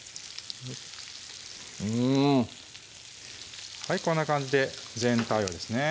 うんこんな感じで全体をですね